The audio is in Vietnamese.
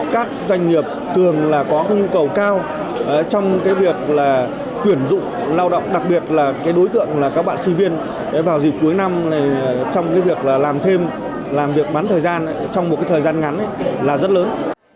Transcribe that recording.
các doanh nghiệp thường là có nhu cầu cao trong việc tuyển dụng lao động đặc biệt là đối tượng là các bạn sinh viên vào dịp cuối năm trong việc làm thêm làm việc bán thời gian trong một thời gian ngắn là rất lớn